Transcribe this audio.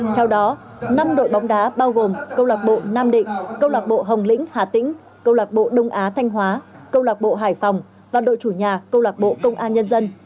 theo đó năm đội bóng đá bao gồm câu lạc bộ nam định câu lạc bộ hồng lĩnh hà tĩnh câu lạc bộ đông á thanh hóa câu lạc bộ hải phòng và đội chủ nhà câu lạc bộ công an nhân dân